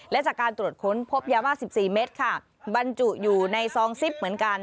และจากการตรวจค้นพบยาบ้า๑๔เมตรค่ะบรรจุอยู่ในซองซิปเหมือนกัน